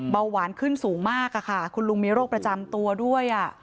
เบาหวานขึ้นสูงมากค่ะคุณลุงมีโรคประจำตัวด้วย